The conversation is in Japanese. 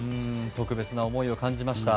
特別な思いを感じました。